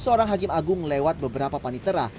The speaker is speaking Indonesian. seorang hakim agung lewat beberapa panitera